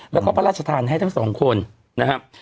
แล้วก็พระราชทานให้ทั้งสองคนนะครับ